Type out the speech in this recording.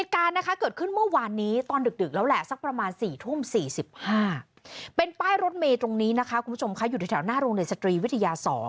ทั้งต้นเมตรตรงนี้นะคะคุณผู้ชมคะอยู่แถวหน้ารุงเนสตรีวิทยา๒